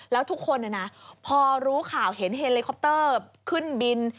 แล้วทุกคนพอรู้ข่าวเห็นเฮลิคอปเตอร์ขึ้นบิน